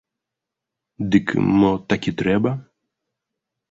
Дык, мо, так і трэба?